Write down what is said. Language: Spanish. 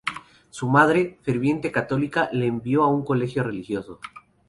Su madre –ferviente católica- lo envió a un colegio religioso.